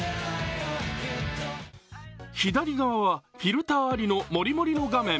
左側はフィルターありの盛り盛りの画面。